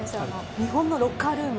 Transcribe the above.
日本のロッカールーム